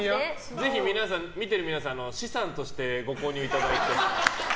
ぜひ皆さん資産として、ご購入いただいて。